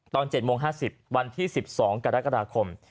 ตอน๗โมง๕๐วันที่๑๒กรกฎาคม